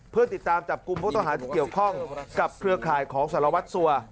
เพื่อติดตามจับกลุ่มผู้ต้องหาที่เกี่ยวข้องกับเครือข่ายของสารวัตรสัว